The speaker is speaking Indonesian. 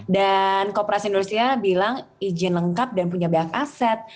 dan kooperasi indonesia bilang izin lengkap dan punya banyak aset